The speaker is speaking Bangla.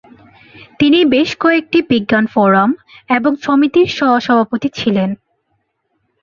তিনি বেশ কয়েকটি বিজ্ঞান ফোরাম এবং সমিতির সহ-সভাপতি ছিলেন।